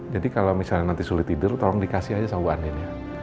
jadi kalau misalnya nanti sulit tidur tolong dikasih saja sama bu andin ya